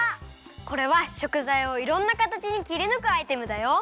これはしょくざいをいろんなかたちにきりぬくアイテムだよ。